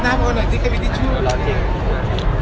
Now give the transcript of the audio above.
ขอซับหน้าพวกหน่อยสิเข้าไปทิชชูหน่อย